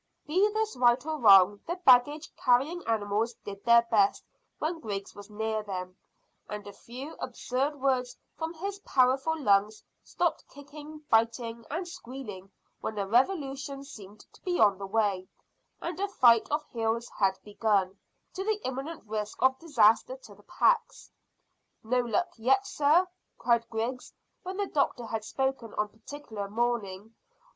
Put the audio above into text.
Be this right or wrong, the baggage carrying animals did their best when Griggs was near them, and a few absurd words from his powerful lungs stopped kicking, biting, and squealing when a revolution seemed to be on the way, and a fight of heels had begun, to the imminent risk of disaster to the packs. "No luck yet, sir?" cried Griggs, when the doctor had spoken on that particular morning.